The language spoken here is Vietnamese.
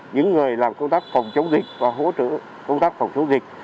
những người làm công tác phòng chống dịch và hỗ trợ công tác phòng chống dịch